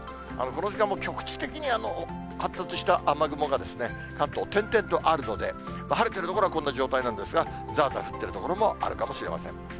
この時間も局地的に発達した雨雲が関東、点々とあるので、晴れてる所はこんな状態なんですが、ざーざー降ってる所もあるかもしれません。